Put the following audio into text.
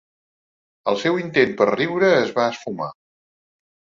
El seu intent per riure es va esfumar.